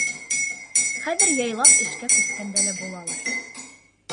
Хәҙер яйлап эшкә күскәндә лә булалыр.